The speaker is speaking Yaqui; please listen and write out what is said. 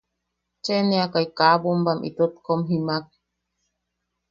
Cheʼeneakai kaa bombam itot kom jimaak.